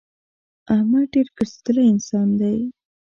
احمد ډېر ګرځېدلی انسان دی.